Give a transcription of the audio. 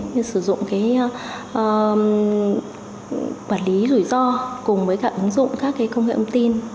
như sử dụng quản lý rủi ro cùng với các ứng dụng các công nghệ âm tin